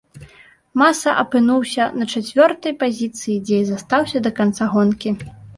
Маса апынуўся на чацвёртай пазіцыі, дзе і застаўся да канца гонкі.